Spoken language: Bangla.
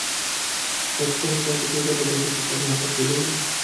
প্রত্যহ যাকে দু বেলা দেখছ তাকে হঠাৎ ভুলে গেলে?